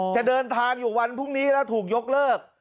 จะเดินทางอยู่วันพรุ่งนี้แล้วถูกยกเลิก